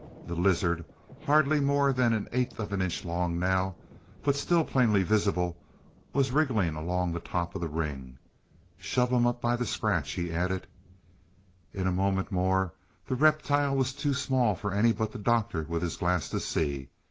The lizard, hardly more than an eighth of an inch long now, but still plainly visible, was wriggling along the top of the ring. "Shove him up by the scratch," he added. In a moment more the reptile was too small for any but the Doctor with his glass to see.